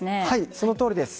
そのとおりです。